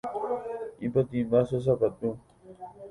Ipotĩmba che sapatu.